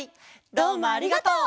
どうもありがとう！